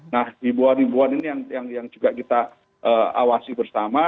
nah imbuan imbuan ini yang juga kita awasi bersama